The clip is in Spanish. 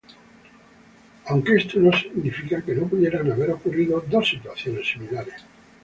Aunque esto no significa que no pudieran haber ocurrido dos situaciones similares.